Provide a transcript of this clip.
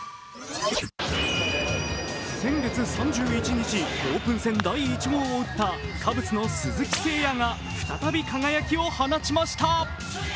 先月３１日、オープン戦第１号を打ったカブスの鈴木誠也が再び輝きを放ちました。